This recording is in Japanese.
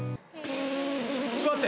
待って。